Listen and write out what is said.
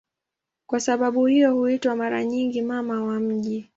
Kwa sababu hiyo huitwa mara nyingi "Mama wa miji".